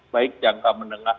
baik jangka menerbitkan